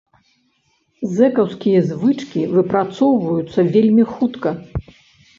Зэкаўскія звычкі выпрацоўваюцца вельмі хутка.